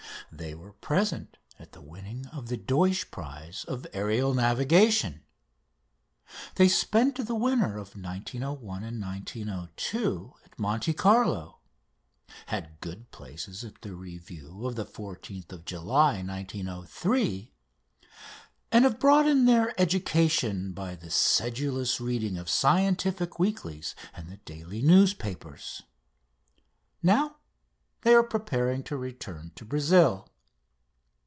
They were present at the winning of the Deutsch prize of aerial navigation; they spent the winter of 1901 2 at Monte Carlo; had good places at the review of the 14th July 1903; and have broadened their education by the sedulous reading of scientific weeklies and the daily newspapers. Now they are preparing to return to Brazil.